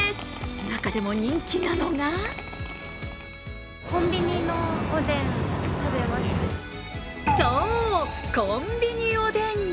中でも人気なのがそう、コンビニおでん。